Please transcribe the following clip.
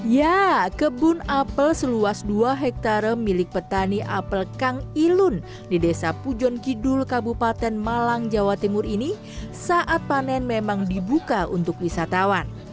ya kebun apel seluas dua hektare milik petani apel kang ilun di desa pujon kidul kabupaten malang jawa timur ini saat panen memang dibuka untuk wisatawan